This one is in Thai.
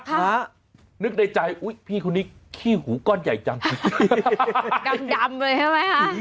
นึกในใจอุ๊ยพี่คนนี้ขี้หูก้อนใหญ่จังดำเลยใช่ไหม